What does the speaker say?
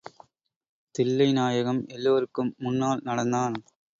தில்லைநாயகம் எல்லாருக்கும் முன்னால் நடந்தான்.